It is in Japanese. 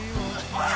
おい！